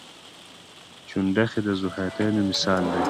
چنډخې د ذوحیاتین مثال دی